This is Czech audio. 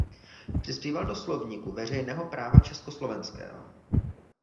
Přispíval do Slovníku veřejného práva československého.